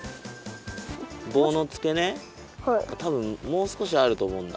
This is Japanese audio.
ぼうのつけねたぶんもうすこしあるとおもうんだ。